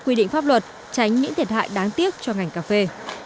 quy định pháp luật tránh những thiệt hại đáng tiếc cho ngành cà phê